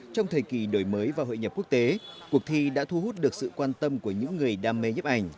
trong thời kỳ đổi mới và hội nhập quốc tế cuộc thi đã thu hút được sự quan tâm của những người đam mê nhấp ảnh